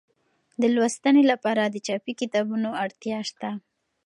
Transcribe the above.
د لوستنې لپاره د چاپي کتابونو اړتیا شته.